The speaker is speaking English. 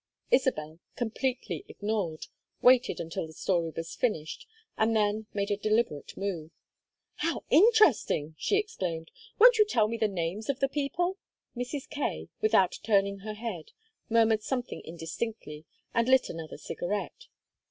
Isabel, completely ignored, waited until the story was finished, and then made a deliberate move. "How interesting!" she exclaimed. "Won't you tell me the names of the people?" Mrs. Kaye, without turning her head, murmured something indistinctly, and lit another cigarette.